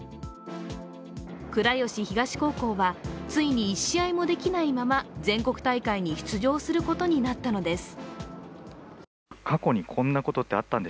倉吉東高校はついに１試合もできないまま、全国大会に出場することになったのです。